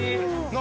何？